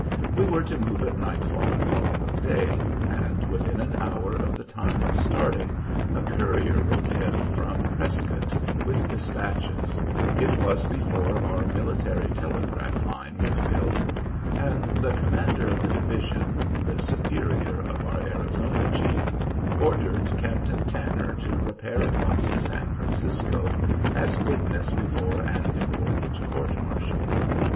We were to move at nightfall the following day, and within an hour of the time of starting a courier rode in from Prescott with despatches (it was before our military telegraph line was built), and the commander of the division the superior of our Arizona chief ordered Captain Tanner to repair at once to San Francisco as witness before an important court martial.